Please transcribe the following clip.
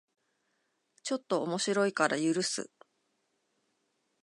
ちょっと面白いから許す